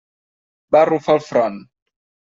Va arrufar el front.